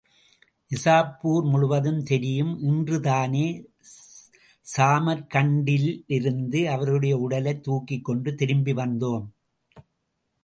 நிசாப்பூர் முழுவதும் தெரியும் இன்றுதானே சாமர்க்கண்டிலிருந்து அவருடைய உடலைத் தூக்கிக் கொண்டு திரும்பி வந்தோம்.